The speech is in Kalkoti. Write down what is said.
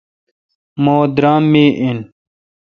مہ درام می این